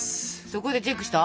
そこでチェックした？